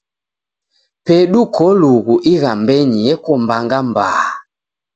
Pedu kolughu ighambenyi eko mbanga mbaa.